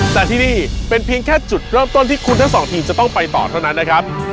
แต่ที่นี่เป็นเพียงแค่จุดเริ่มต้นที่คุณทั้งสองทีมจะต้องไปต่อเท่านั้นนะครับ